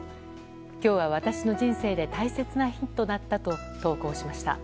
今日は私の人生で大切な日となったと投稿しました。